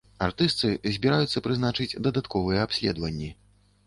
Артыстцы збіраюцца прызначыць дадатковыя абследаванні.